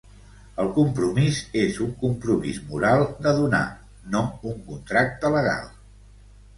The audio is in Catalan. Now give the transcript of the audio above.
El compromís és un compromís moral de donar, no un contracte legal.